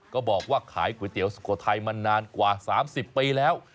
ก็บอกว่าขายก๋วยเตี๋ยวสุโขทัยมานานกว่า๓๐ปีแล้ว